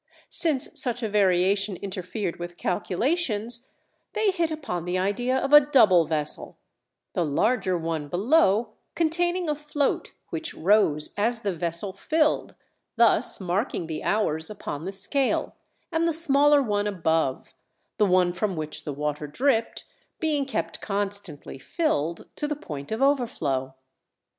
Since such a variation interfered with calculations, they hit upon the idea of a double vessel; the larger one below containing a float which rose as the vessel filled, thus marking the hours upon the scale, and the smaller one above, the one from which the water dripped, being kept constantly filled to the point of overflow.